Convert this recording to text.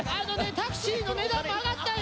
タクシーの値段も上がったんよ。